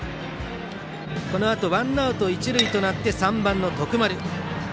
このあとワンアウト一塁となって３番の徳丸。